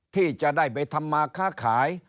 ที่จะได้ไปทำมาค้าขาย